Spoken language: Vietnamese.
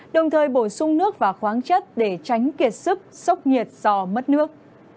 đồng thời bổ sung nước và khoáng chất để tránh kiệt sức sốc nhiệt do mất nước